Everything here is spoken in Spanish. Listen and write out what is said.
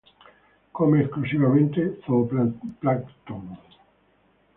Come exclusivamente zooplancton.